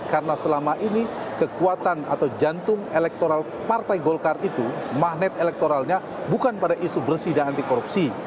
karena selama ini kekuatan atau jantung elektoral partai golkar itu magnet elektoralnya bukan pada isu bersih dan anti korupsi